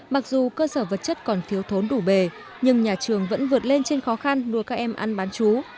mặc dù cơ sở vật chất còn thiếu thốn đủ bề nhưng nhà trường vẫn vượt lên trên khó khăn đưa các em ăn bán chú